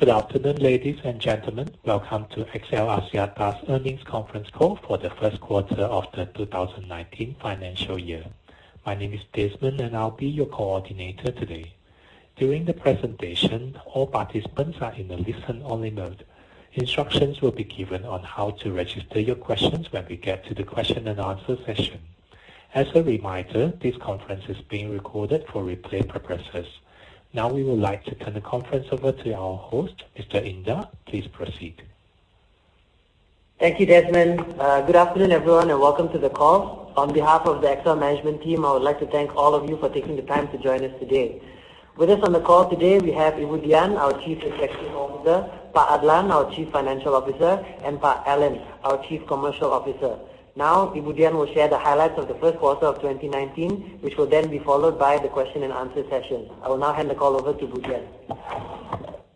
Good afternoon, ladies and gentlemen. Welcome to XL Axiata's earnings conference call for the first quarter of the 2019 financial year. My name is Desmond, and I'll be your coordinator today. During the presentation, all participants are in a listen-only mode. Instructions will be given on how to register your questions when we get to the question and answer session. As a reminder, this conference is being recorded for replay purposes. Now we would like to turn the conference over to our host, Mr. Indar. Please proceed. Thank you, Desmond. Good afternoon, everyone, and welcome to the call. On behalf of the XL management team, I would like to thank all of you for taking the time to join us today. With us on the call today, we have Ibu Dian, our Chief Executive Officer, Pak Adlan, our Chief Financial Officer, and Pak Allan, our Chief Commercial Officer. Ibu Dian will share the highlights of the first quarter of 2019, which will then be followed by the question and answer session. I will now hand the call over to Ibu Dian.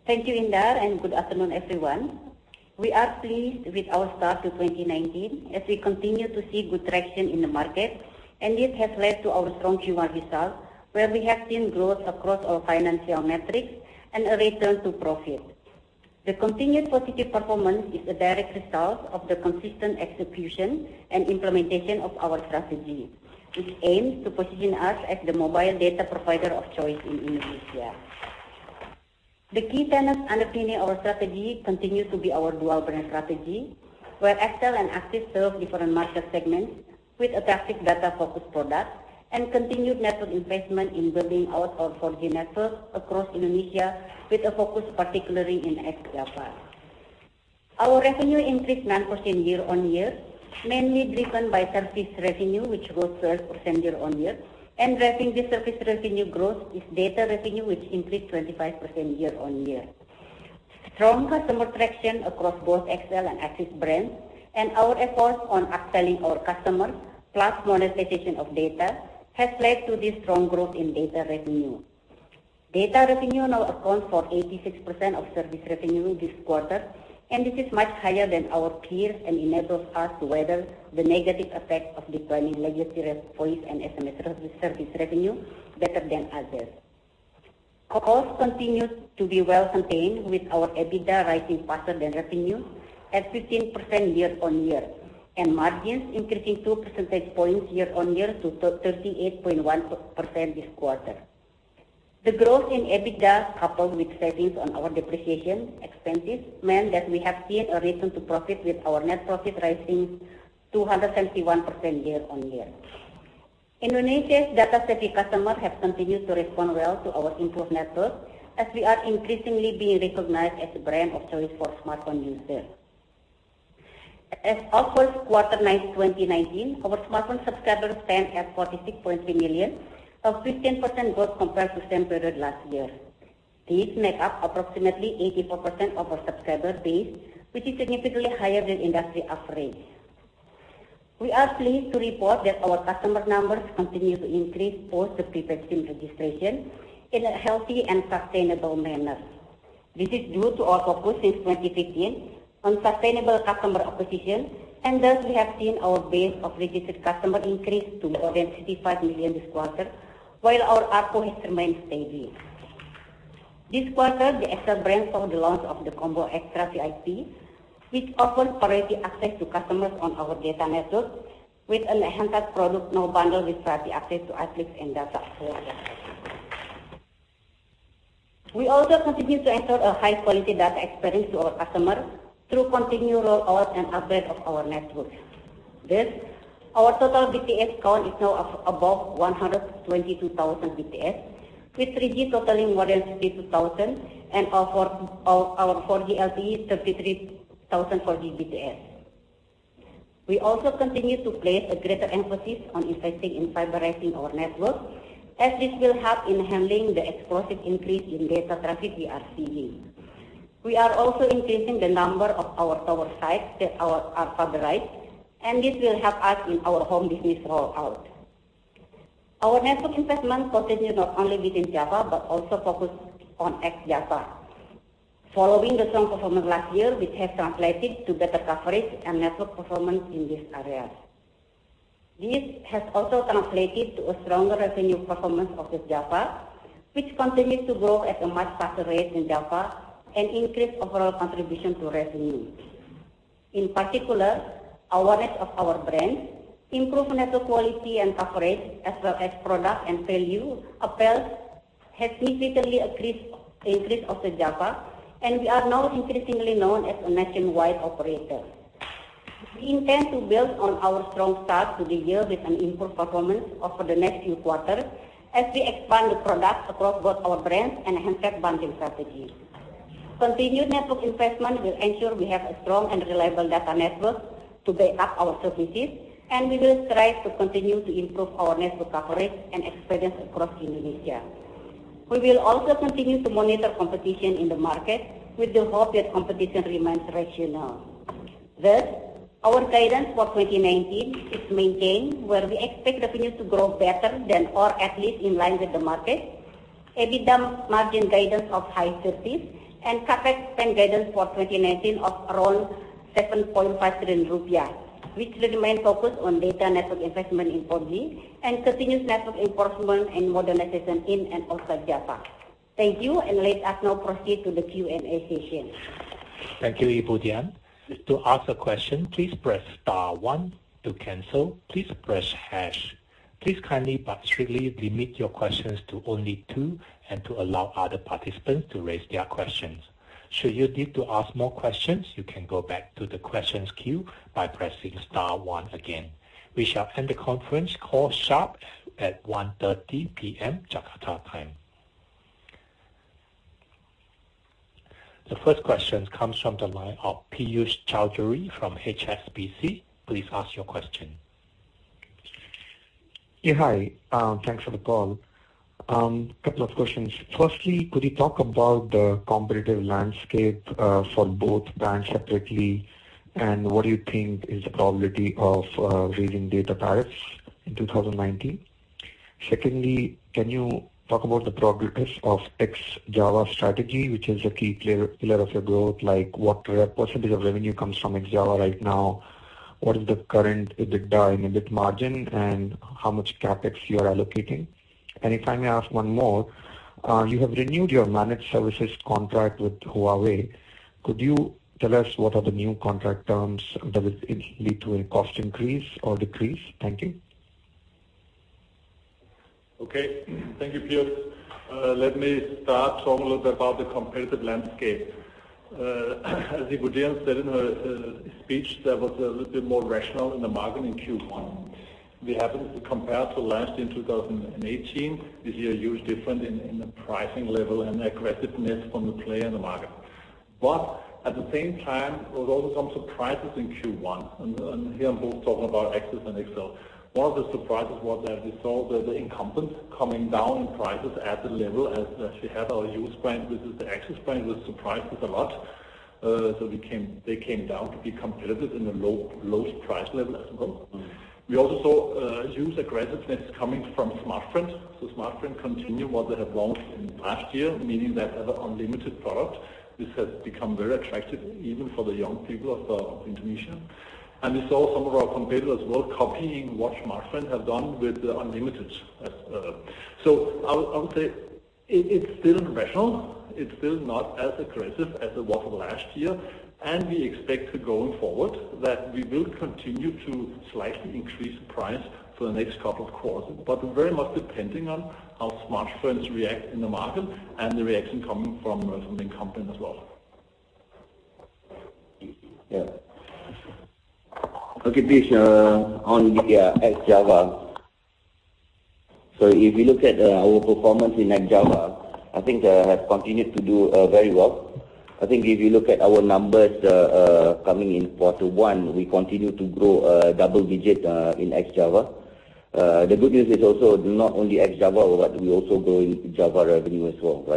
Thank you, Indar. Good afternoon, everyone. We are pleased with our start to 2019 as we continue to see good traction in the market. This has led to our strong Q1 results, where we have seen growth across our financial metrics and a return to profit. The continued positive performance is a direct result of the consistent execution and implementation of our strategy, which aims to position us as the mobile data provider of choice in Indonesia. The key tenets underpinning our strategy continue to be our dual brand strategy, where XL and Axis serve different market segments with attractive data-focused products and continued network investment in building out our 4G network across Indonesia with a focus particularly in ex-Java. Our revenue increased 9% year-on-year, mainly driven by service revenue, which grew 12% year-on-year. Driving the service revenue growth is data revenue, which increased 25% year-on-year. Strong customer traction across both XL and Axis brands and our efforts on upselling our customers, plus monetization of data, has led to this strong growth in data revenue. Data revenue now accounts for 86% of service revenue this quarter. This is much higher than our peers and enables us to weather the negative effect of declining legacy voice and SMS service revenue better than others. Costs continue to be well contained, with our EBITDA rising faster than revenue at 15% year-on-year, and margins increasing 2 percentage points year-on-year to 38.1% this quarter. The growth in EBITDA, coupled with savings on our depreciation expenses, meant that we have seen a return to profit, with our net profit rising 271% year-on-year. Indonesia's data-savvy customers have continued to respond well to our improved network as we are increasingly being recognized as a brand of choice for smartphone users. As of the first quarter, 2019, our smartphone subscriber stand at 46.3 million, a 15% growth compared to the same period last year. These make up approximately 84% of our subscriber base, which is significantly higher than industry average. We are pleased to report that our customer numbers continue to increase post the prepaid SIM registration in a healthy and sustainable manner. This is due to our focus since 2015 on sustainable customer acquisition. Thus, we have seen our base of registered customers increase to more than 35 million this quarter, while our ARPU has remained steady. This quarter, the XL brand saw the launch of the Xtra Combo VIP, which offers priority access to customers on our data network with an enhanced product now bundled with priority access to applications and data. We also continue to ensure a high quality data experience to our customers through continued rollout and upgrade of our network. Thus, our total BTS count is now above 122,000 BTS, with 3G totaling more than 52,000 and our 4G LTE 33,000 4G BTS. We also continue to place a greater emphasis on investing in fiberizing our network as this will help in handling the explosive increase in data traffic we are seeing. We are also increasing the number of our tower sites that are fiberized, and this will help us in our home business rollout. Our network investment continues not only within Java but also focused on ex-Java. Following the strong performance last year, which has translated to better coverage and network performance in this area. This has also translated to a stronger revenue performance of ex-Java, which continues to grow at a much faster rate than Java and increase overall contribution to revenue. In particular, awareness of our brand, improved network quality and coverage, as well as product and value appeals, has significantly increased ex-Java. We are now increasingly known as a nationwide operator. We intend to build on our strong start to the year with an improved performance over the next few quarters as we expand the product across both our brands and enhance bundling strategies. Continued network investment will ensure we have a strong and reliable data network to back up our services. We will strive to continue to improve our network coverage and experience across Indonesia. We will also continue to monitor competition in the market with the hope that competition remains rational. Thus, our guidance for 2019 is maintained, where we expect revenue to grow better than or at least in line with the market, EBITDA margin guidance of high 30s, and CapEx spend guidance for 2019 of around 7.5 trillion rupiah. Which will remain focused on data network investment in 4G and continuous network enhancement and modernization in and outside Java. Thank you. Let us now proceed to the Q&A session. Thank you, Ibu Dian. To ask a question, please press star one. To cancel, please press hash. Please kindly but strictly limit your questions to only two and to allow other participants to raise their questions. Should you need to ask more questions, you can go back to the questions queue by pressing star one again. We shall end the conference call sharp at 1:30 P.M. Jakarta time. The first question comes from the line of Piyush Choudhary from HSBC. Please ask your question. Yeah. Hi. Thanks for the call. Couple of questions. Firstly, could you talk about the competitive landscape for both brands separately, and what do you think is the probability of raising data tariffs in 2019? Secondly, can you talk about the progress of ex-Java strategy, which is a key pillar of your growth, like what % of revenue comes from ex-Java right now? What is the current EBITDA and EBIT margin, and how much CapEx you are allocating? And if I may ask one more. You have renewed your managed services contract with Huawei. Could you tell us what are the new contract terms? Does it lead to a cost increase or decrease? Thank you. Okay. Thank you, Piyush. Let me start talking a little bit about the competitive landscape. As Ibu Dian said in her speech, there was a little bit more rational in the market in Q1. We haven't compared to last year, 2018. This year, huge difference in the pricing level and aggressiveness from the player in the market. At the same time, there was also some surprises in Q1. Here I'm both talking about Axis and XL. One of the surprises was that we saw the incumbents coming down prices at the level as we have our huge brand, which is the Axis brand, which surprised us a lot. They came down to be competitive in the lowest price level as well. We also saw huge aggressiveness coming from Smartfren. Smartfren continue what they have launched in last year, meaning they have an unlimited product. This has become very attractive even for the young people of Indonesia. We saw some of our competitors as well copying what Smartfren have done with the unlimited. I would say it's still rational. It's still not as aggressive as it was last year, and we expect going forward that we will continue to slightly increase the price for the next couple of quarters. Very much depending on how Smartfren react in the market and the reaction coming from the incumbent as well. Okay, Piyush, on the ex-Java. If you look at our performance in ex-Java, I think that has continued to do very well. I think if you look at our numbers coming in quarter one, we continue to grow double digit in ex-Java. The good news is also not only ex-Java, but we also grow in Java revenue as well.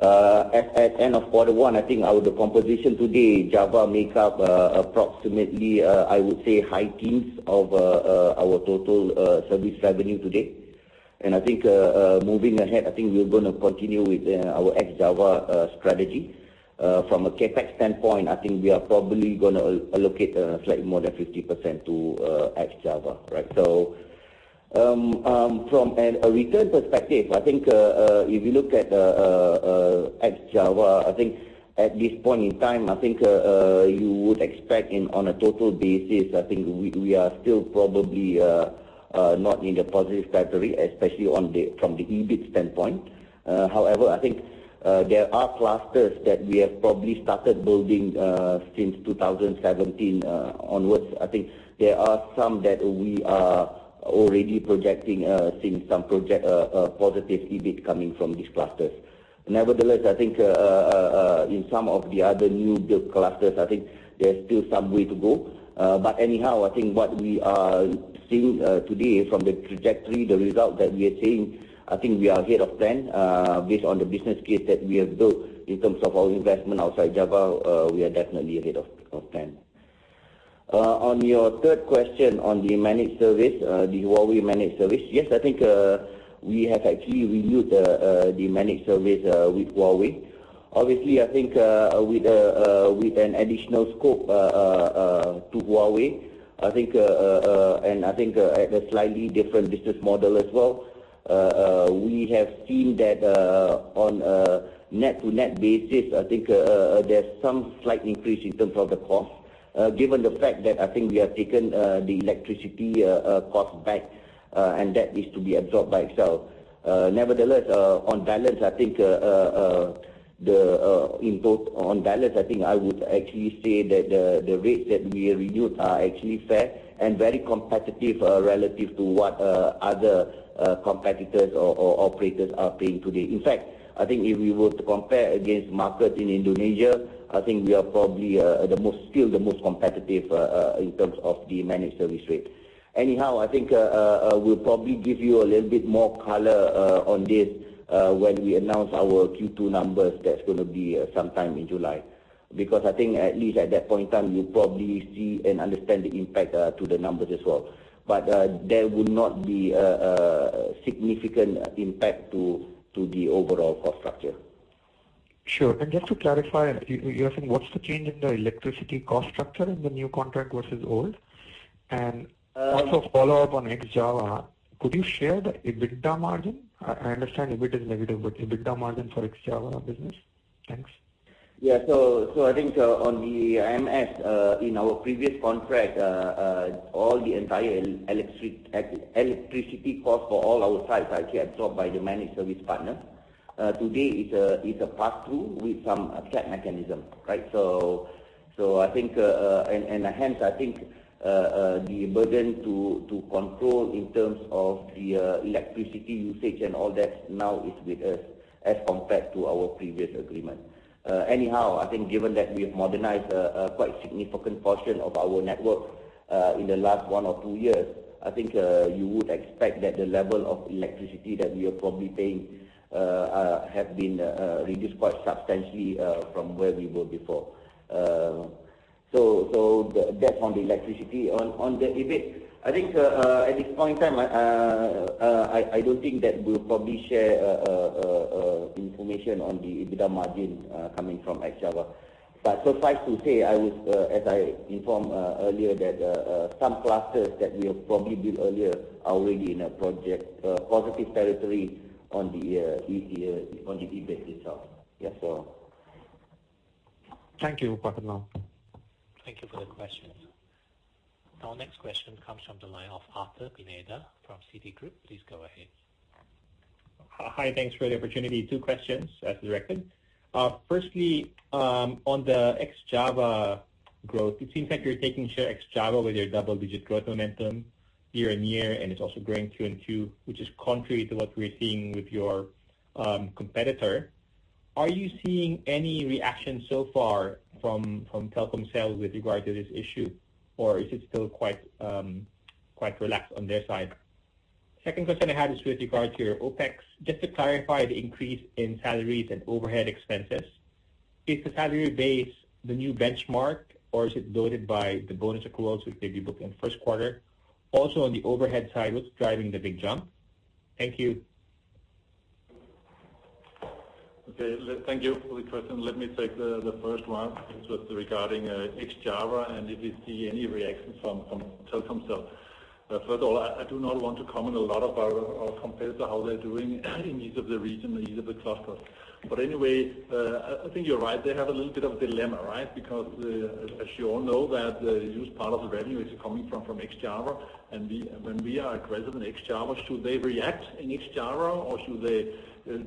At end of quarter one, I think the composition today, Java make up approximately, I would say, high teens of our total service revenue today. Moving ahead, I think we're going to continue with our ex-Java strategy. From a CapEx standpoint, I think we are probably going to allocate slightly more than 50% to ex-Java. From a return perspective, I think if you look at ex-Java, I think at this point in time, I think you would expect on a total basis, I think we are still probably not in the positive category, especially from the EBIT standpoint. There are clusters that we have probably started building since 2017 onwards. I think there are some that we are already projecting seeing some positive EBIT coming from these clusters. In some of the other new build clusters, I think there's still some way to go. Anyhow, I think what we are seeing today from the trajectory, the result that we are seeing, I think we are ahead of plan based on the business case that we have built in terms of our investment outside Java. We are definitely ahead of plan. On your third question on the managed service, the Huawei managed service. I think we have actually renewed the managed service with Huawei. I think with an additional scope to Huawei, and I think at a slightly different business model as well. We have seen that on a net-to-net basis, I think there's some slight increase in terms of the cost. Given the fact that I think we have taken the electricity cost back, and that is to be absorbed by itself. On balance, I think I would actually say that the rates that we renewed are actually fair and very competitive relative to what other competitors or operators are paying today. If we were to compare against markets in Indonesia, I think we are probably still the most competitive in terms of the managed service rate. I think we'll probably give you a little bit more color on this when we announce our Q2 numbers. That's going to be sometime in July. I think at least at that point in time, you'll probably see and understand the impact to the numbers as well. There will not be a significant impact to the overall cost structure. Sure. Just to clarify, you are saying what's the change in the electricity cost structure in the new contract versus old? Also follow up on ex-Java, could you share the EBITDA margin? I understand EBIT is negative, but EBITDA margin for ex-Java business. Thanks. I think on the MS, in our previous contract, all the entire electricity cost for all our sites are actually absorbed by the managed service partner. Today it's a pass through with some cap mechanism. Right. Hence, I think the burden to control in terms of the electricity usage and all that now is with us as compared to our previous agreement. Anyhow, I think given that we have modernized a quite significant portion of our network in the last one or two years, I think you would expect that the level of electricity that we are probably paying have been reduced quite substantially from where we were before. That on the electricity. On the EBIT, I think at this point in time, I don't think that we'll probably share information on the EBITDA margin coming from ex-Java. Suffice to say, as I informed earlier, that some clusters that we have probably built earlier are already in a positive territory on the EBIT itself. Thank you, Pak Adlan. Thank you for the question. Our next question comes from the line of Arthur Pineda from Citigroup. Please go ahead. Hi. Thanks for the opportunity. Two questions as directed. Firstly, on the ex-Java growth, it seems like you're taking share ex-Java with your double-digit growth momentum year-on-year, and it's also growing Q on Q, which is contrary to what we're seeing with your competitor. Are you seeing any reaction so far from Telkomsel with regard to this issue? Is it still quite relaxed on their side? Second question I had is with regard to your OpEx, just to clarify the increase in salaries and overhead expenses. Is the salary base the new benchmark, or is it diluted by the bonus accruals, which may be booked in first quarter? On the overhead side, what's driving the big jump? Thank you. Okay. Thank you for the question. Let me take the first one. It's just regarding ex-Java and if you see any reactions from Telkomsel. First of all, I do not want to comment a lot of our competitor, how they're doing in each of the region, in each of the cluster. Anyway, I think you're right. They have a little bit of dilemma, right? Because as you all know that a huge part of the revenue is coming from ex-Java. When we are aggressive in ex-Java, should they react in ex-Java or should they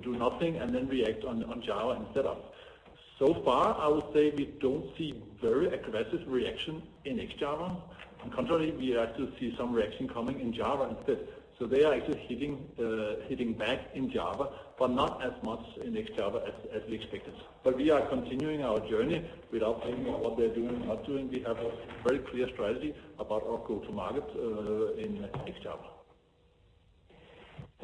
do nothing and then react on Java instead of? So far, I would say we don't see very aggressive reaction in ex-Java. On contrary, we actually see some reaction coming in Java instead. They are actually hitting back in Java, but not as much in ex-Java as we expected. We are continuing our journey without thinking what they're doing, not doing. We have a very clear strategy about our go to market in ex-Java.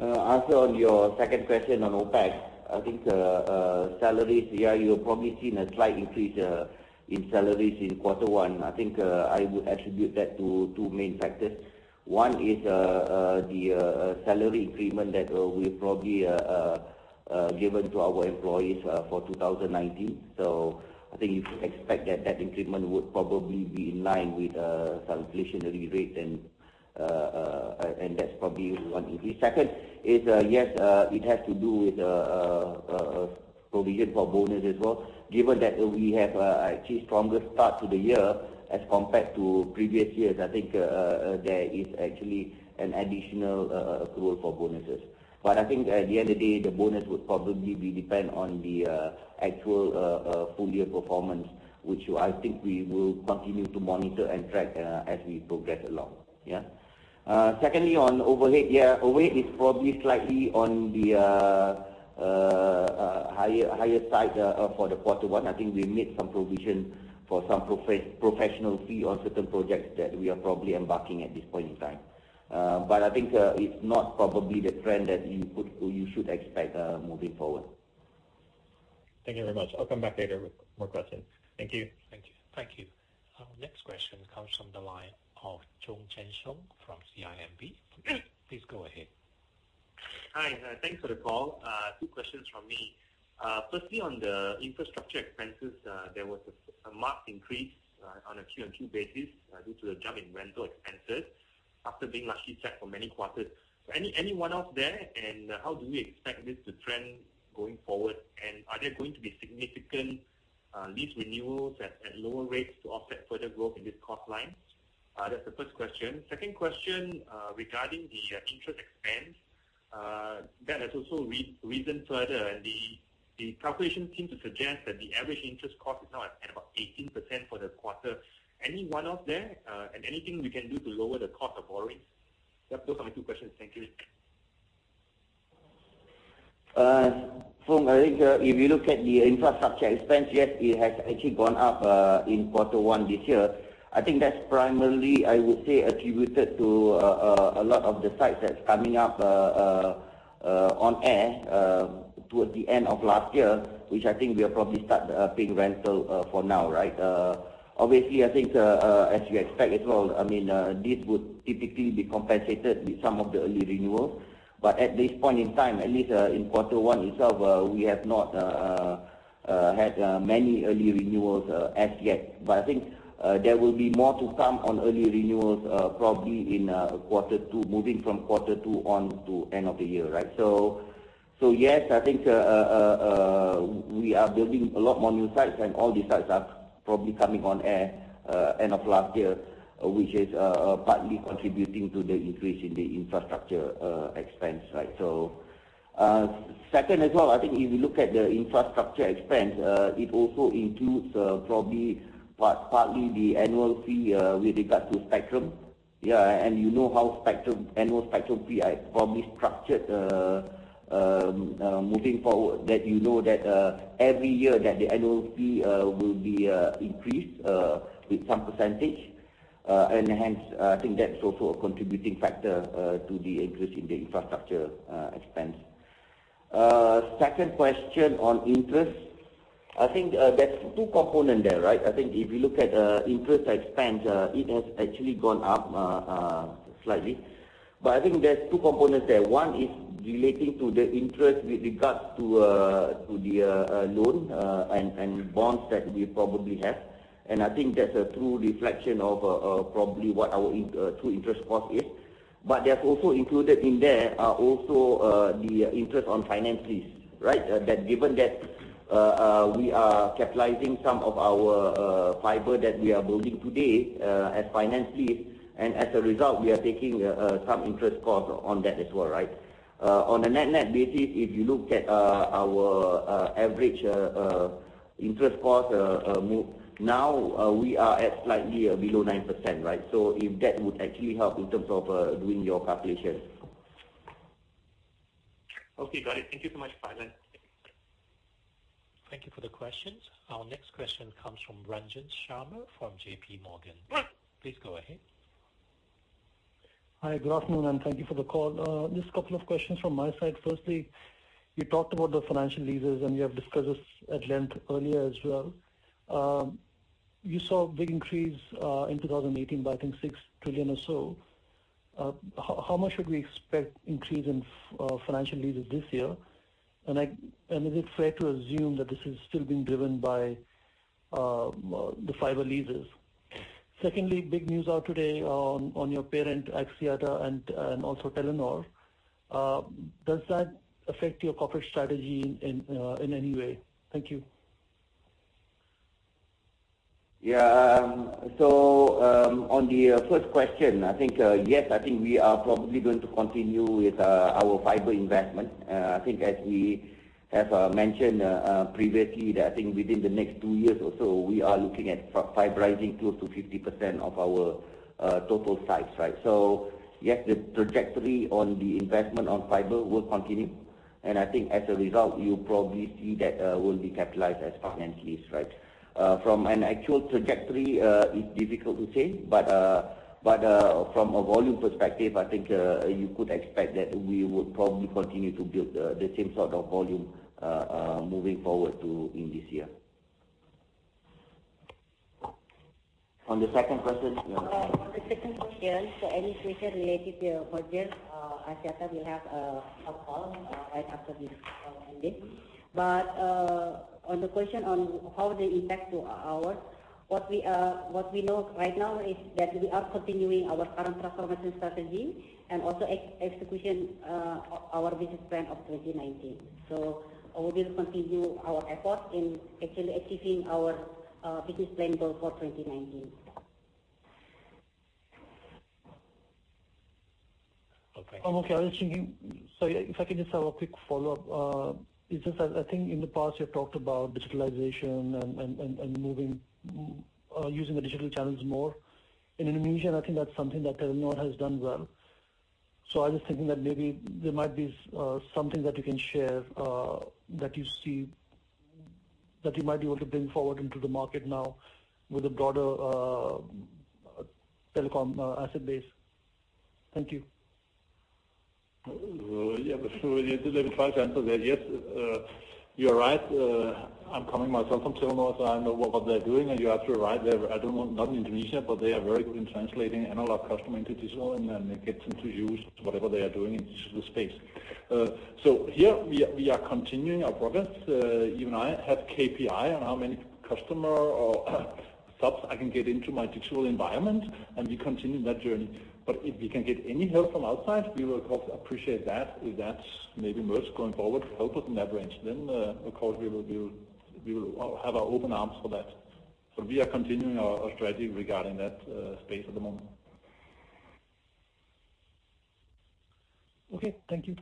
Arthur, on your second question on OpEx, I think, salaries, yeah, you've probably seen a slight increase in salaries in quarter one. I think, I would attribute that to two main factors. One is the salary increment that we've probably given to our employees for 2019. I think you could expect that that increment would probably be in line with some inflationary rate and that's probably one increase. Second is, yes, it has to do with provision for bonus as well. Given that we have actually stronger start to the year as compared to previous years, I think, there is actually an additional accrual for bonuses. I think at the end of the day, the bonus would probably be depend on the actual full year performance, which I think we will continue to monitor and track as we progress along. Yeah. Secondly, on overhead, yeah, overhead is probably slightly on the higher side for the quarter one. I think we made some provision for some professional fee on certain projects that we are probably embarking at this point in time. I think it's not probably the trend that you should expect moving forward. Thank you very much. I'll come back later with more questions. Thank you. Thank you. Our next question comes from the line of Choong Chen Foong from CIMB. Please go ahead. Hi. Thanks for the call. Two questions from me. Firstly, on the infrastructure expenses, there was a marked increase on a Q on Q basis due to a jump in rental expenses after being largely set for many quarters. Any one-off there, and how do we expect this to trend going forward? Are there going to be significant lease renewals at lower rates to offset further growth in this cost line? That's the first question. Second question, regarding the interest expense, that has also risen further, and the calculation seems to suggest that the average interest cost is now at about 18% for the quarter. Any one-off there? Anything we can do to lower the cost of borrowing? Yep, those are my two questions. Thank you. Foong, I think if you look at the infrastructure expense, yes, it has actually gone up in quarter one this year. I think that's primarily, I would say, attributed to a lot of the sites that's coming up on air towards the end of last year, which I think we have probably start paying rental for now, right? Obviously, I think, as you expect as well, this would typically be compensated with some of the early renewal. At this point in time, at least in quarter one itself, we have not-Had many early renewals as yet. I think there will be more to come on early renewals probably moving from quarter two on to end of the year, right? Yes, I think we are building a lot more new sites, and all these sites are probably coming on air end of last year, which is partly contributing to the increase in the infrastructure expense. Second as well, I think if you look at the infrastructure expense, it also includes partly the annual fee with regard to spectrum. You know how annual spectrum fee is probably structured, moving forward, that you know that every year that the annual fee will be increased with some percentage. Hence, I think that's also a contributing factor to the increase in the infrastructure expense. Second question on interest. I think there's two component there, right? I think if you look at interest expense, it has actually gone up slightly. I think there's two components there. One is relating to the interest with regards to the loan and bonds that we probably have. I think that's a true reflection of probably what our true interest cost is. There's also included in there are also the interest on finance lease, right? That given that we are capitalizing some of our fiber that we are building today as finance lease. As a result, we are taking some interest cost on that as well, right? On a net-net basis, if you look at our average interest cost now, we are at slightly below 9%, right? If that would actually help in terms of doing your calculations. Okay, got it. Thank you so much. Bye then. Thank you for the questions. Our next question comes from Ranjan Sharma from JP Morgan. Please go ahead. Hi, good afternoon. Thank you for the call. Just a couple of questions from my side. Firstly, you talked about the financial leases, and you have discussed this at length earlier as well. You saw a big increase in 2018 by, I think, 6 trillion or so. How much should we expect increase in financial leases this year? Is it fair to assume that this is still being driven by the fiber leases? Secondly, big news out today on your parent, Axiata, and also Telenor. Does that affect your corporate strategy in any way? Thank you. Yeah. On the first question, I think, yes, I think we are probably going to continue with our fiber investment. I think as we have mentioned previously that I think within the next two years or so, we are looking at fiberizing close to 50% of our total sites, right? Yes, the trajectory on the investment on fiber will continue, and I think as a result, you'll probably see that will be capitalized as finance lease, right? From an actual trajectory, it's difficult to say. From a volume perspective, I think you could expect that we would probably continue to build the same sort of volume moving forward to in this year. On the second question- On the second question, any question related to merger, Axiata will have a call right after this call ended. On the question on how they impact to ours, what we know right now is that we are continuing our current transformation strategy and also execution our business plan of 2019. We will continue our effort in actually achieving our business plan goal for 2019. Okay. Okay. If I can just have a quick follow-up. It's just that I think in the past you've talked about digitalization and using the digital channels more. In Indonesia, I think that's something that Telenor has done well. I was thinking that maybe there might be something that you can share that you might be able to bring forward into the market now with a broader telecom asset base. Thank you. Yeah. Let me try to answer that. Yes, you're right. I'm coming myself from Telenor, I know what they're doing. You are actually right. I don't know, not in Indonesia, they are very good in translating analog customer into digital and then they get them to use whatever they are doing in digital space. Here we are continuing our progress. Even I have KPI on how many customer or subs I can get into my digital environment, and we continue that journey. If we can get any help from outside, we will of course appreciate that. If that's maybe merge going forward to help with leverage, of course we will have our open arms for that. We are continuing our strategy regarding that space at the moment. Okay. Thank you.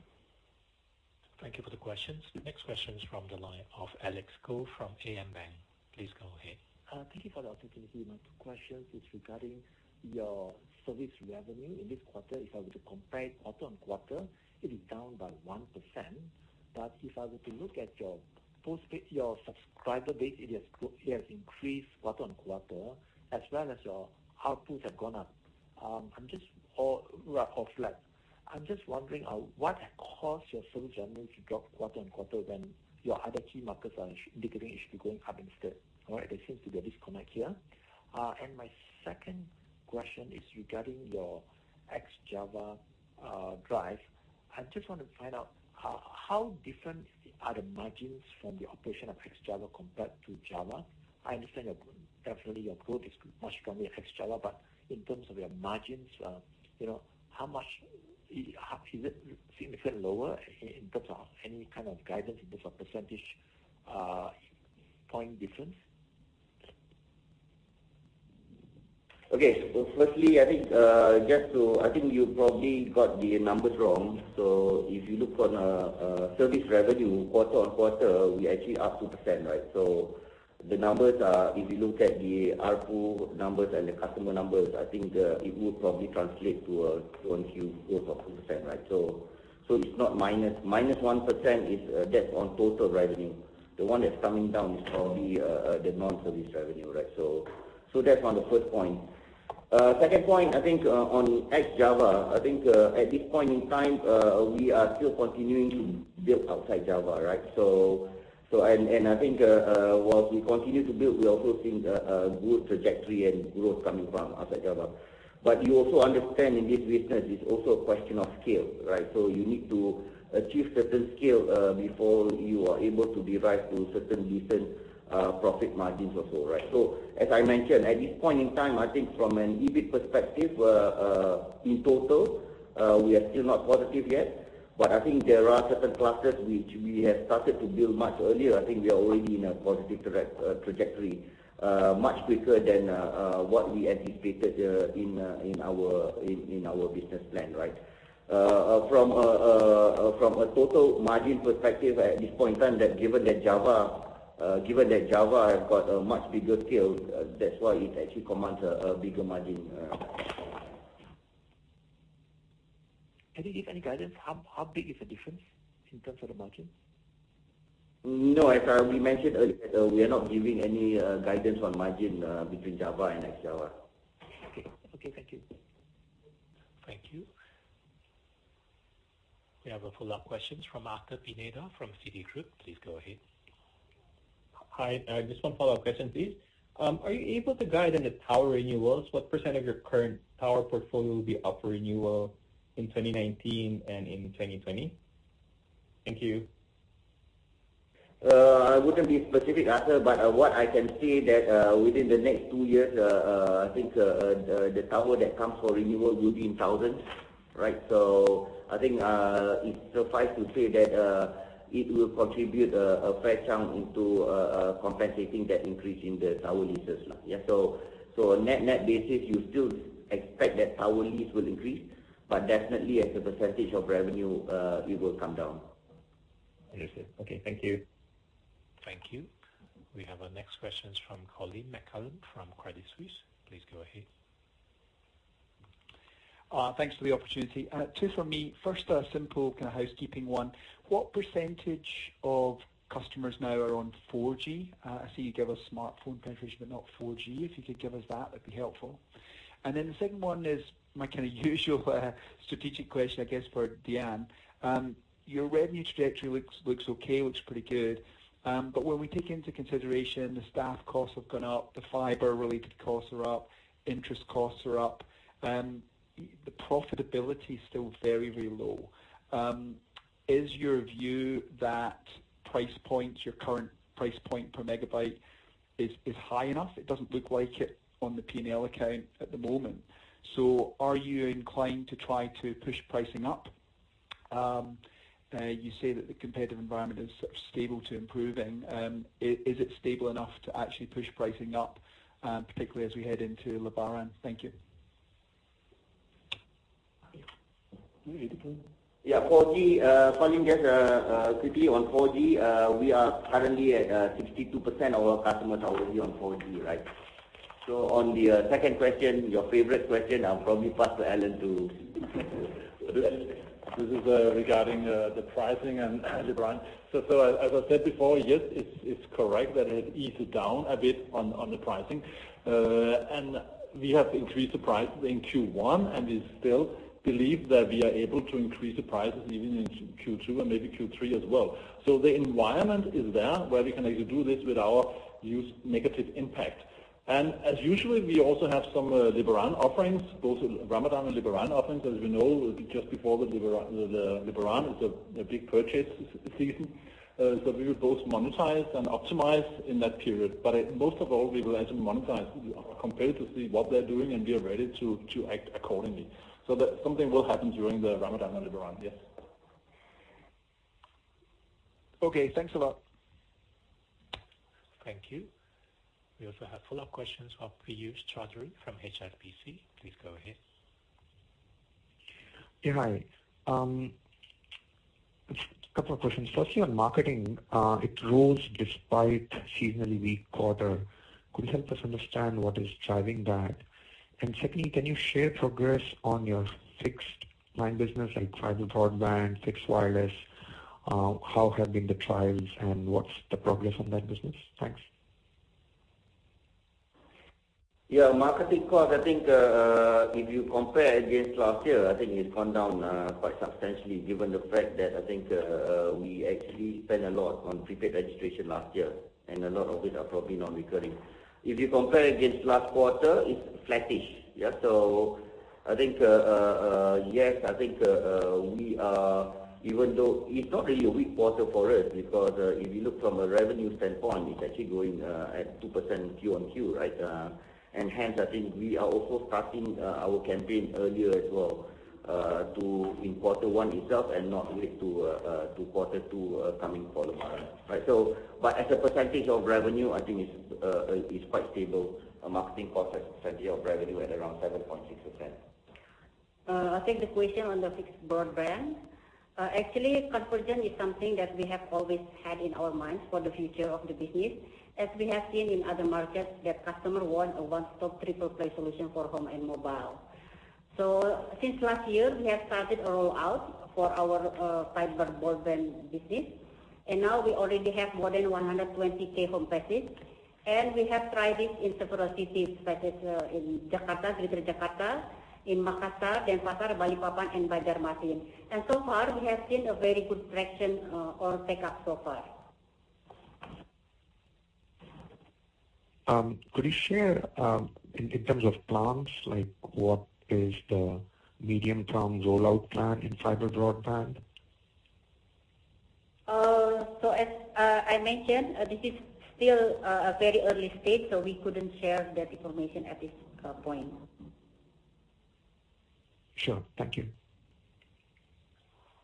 Thank you for the questions. The next question is from the line of Alex Go from AmBank. Please go ahead. Thank you for the opportunity. My two questions is regarding your service revenue in this quarter. If I were to compare quarter-on-quarter, it is down by 1%. But if I were to look at your subscriber base, it has increased quarter-on-quarter, as well as your ARPU have gone up or flat. I'm just wondering what has caused your service revenue to drop quarter-on-quarter when your other key markers are indicating it should be going up instead, right? There seems to be a disconnect here. And my second question is regarding your ex-Java drive. I just want to find out how different are the margins from the operation of ex-Java compared to Java. I understand definitely your growth is much stronger at ex-Java, but in terms of your margins, how much is it significant lower in terms of any kind of guidance in terms of percentage point difference? Firstly, you probably got the numbers wrong. If you look on service revenue quarter-on-quarter, we actually up 2%. The numbers are, if you look at the ARPU numbers and the customer numbers, I think it would probably translate to a Q-on-Q growth of 2%. It's not -1%, that's on total revenue. That's on the first point. Second point, on ex-Java, I think, at this point in time, we are still continuing to build outside Java. And I think, whilst we continue to build, we also seeing a good trajectory and growth coming from outside Java. But you also understand in this business, it's also a question of scale. You need to achieve certain scale, before you are able to derive to certain different profit margins as well. As I mentioned, at this point in time, I think from an EBIT perspective, in total, we are still not positive yet, but I think there are certain clusters which we have started to build much earlier. I think we are already in a positive trajectory, much quicker than what we anticipated in our business plan. From a total margin perspective at this point in time, given that Java have got a much bigger scale, that's why it actually commands a bigger margin. Can you give any guidance how big is the difference in terms of the margins? No. As we mentioned earlier, we are not giving any guidance on margin between Java and ex-Java. Okay. Thank you. Thank you. We have a follow-up question from Arthur Pineda from Citigroup. Please go ahead. Hi. Just one follow-up question, please. Are you able to guide on the tower renewals? What % of your current tower portfolio will be up for renewal in 2019 and in 2020? Thank you. I wouldn't be specific, Arthur, but what I can say that within the next two years, I think the tower that comes for renewal will be in thousands. I think it suffice to say that it will contribute a fair chunk into compensating that increase in the tower leases. On net-net basis, you still expect that tower lease will increase, but definitely as a % of revenue, it will come down. Understood. Okay. Thank you. Thank you. We have our next question from Colin McCallum from Credit Suisse. Please go ahead. Thanks for the opportunity. Two for me. First, a simple kind of housekeeping one. What % of customers now are on 4G? I see you gave us smartphone penetration, but not 4G. If you could give us that'd be helpful. The second one is my usual strategic question, I guess, for Dian. When we take into consideration the staff costs have gone up, the fiber-related costs are up, interest costs are up, the profitability is still very low. Is your view that price points, your current price point per megabyte is high enough? It doesn't look like it on the P&L account at the moment. Are you inclined to try to push pricing up? You say that the competitive environment is stable to improving. Is it stable enough to actually push pricing up, particularly as we head into Lebaran? Thank you. Yeah. Colin, just quickly on 4G, we are currently at 62% of our customers are already on 4G. On the second question, your favorite question, I'll probably pass to Allan to This is regarding the pricing and Lebaran. As I said before, yes, it's correct that it has eased down a bit on the pricing. We have increased the prices in Q1, and we still believe that we are able to increase the prices even in Q2 and maybe Q3 as well. The environment is there where we can actually do this with our negative impact. As usual, we also have some Lebaran offerings, both Ramadan and Lebaran offerings, because we know just before the Lebaran is a big purchase season. We will both monetize and optimize in that period. Most of all, we will actually monetize, compare to see what they're doing, and we are ready to act accordingly. Something will happen during the Ramadan and Lebaran. Yes. Okay. Thanks a lot. Thank you. We also have follow-up questions from Piyush Choudhary from HSBC. Please go ahead. Yeah. Hi. A couple of questions. Firstly, on marketing, it rose despite seasonally weak quarter. Could you help us understand what is driving that? Secondly, can you share progress on your fixed-line business, like fiber broadband, fixed wireless? How have been the trials, and what's the progress on that business? Thanks. Yeah. Marketing cost, I think, if you compare against last year, I think it's gone down quite substantially, given the fact that I think we actually spent a lot on prepaid registration last year, and a lot of it are probably non-recurring. If you compare against last quarter, it's flattish. I think, yes. I think it's not really a weak quarter for us because if you look from a revenue standpoint, it's actually growing at 2% quarter-on-quarter, right? Hence, I think we are also starting our campaign earlier as well in quarter one itself and not wait to quarter two coming quarter. But as a percentage of revenue, I think it's quite stable, marketing cost as a percentage of revenue at around 7.6%. I think the question on the fixed broadband. Actually, convergence is something that we have always had in our minds for the future of the business, as we have seen in other markets that customers want a one-stop triple play solution for home and mobile. Since last year, we have started a rollout for our fiber broadband business, and now we already have more than 120,000 home passes, and we have tried it in several cities, such as in Jakarta, Greater Jakarta, in Makassar, Denpasar, Balikpapan, and Banjarmasin. So far we have seen a very good traction or take-up so far. Could you share in terms of plans, what is the medium-term rollout plan in fiber broadband? As I mentioned, this is still a very early stage, we couldn't share that information at this point. Sure. Thank you.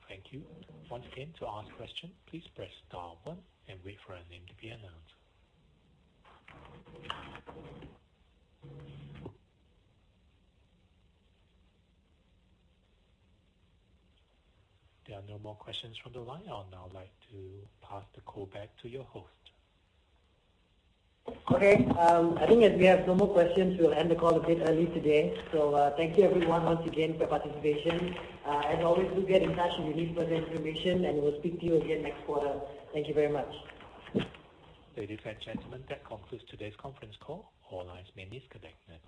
Thank you. Once again, to ask a question, please press star one and wait for your name to be announced. There are no more questions from the line. I would now like to pass the call back to your host. Okay. I think as we have no more questions, we'll end the call a bit early today. Thank you everyone once again for your participation. As always, do get in touch if you need further information, and we'll speak to you again next quarter. Thank you very much. Ladies and gentlemen, that concludes today's conference call. All lines may disconnect now.